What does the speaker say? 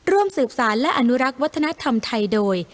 ร่วมสืบสารและอนุรักษ์วัฒนธรรมไทยโดย